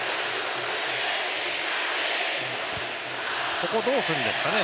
ここはどうするんですかね